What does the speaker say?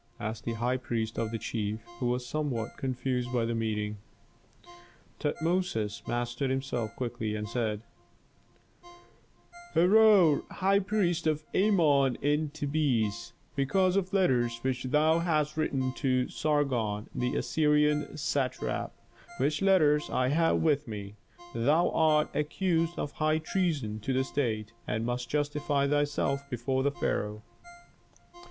asked the high priest of the chief, who was somewhat confused by the meeting. Tutmosis mastered himself quickly, and said, "Herhor, high priest of Amon in Thebes, because of letters which thou hast written to Sargon, the Assyrian satrap, which letters I have with me, thou art accused of high treason to the state, and must justify thyself before the pharaoh."